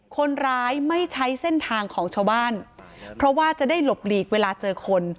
คนร้ายไม่ใช้เส้นทางของชาวบ้านเพราะว่าจะได้หลบหลีกเวลาเจอคน